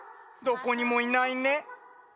どこにもいないね。